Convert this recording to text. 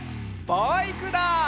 バイクだ！